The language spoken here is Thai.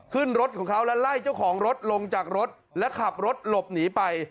ขึ้นรถของเขาแล้วไล่เจ้าของรถลงจากรถและขับรถหลบหนีไป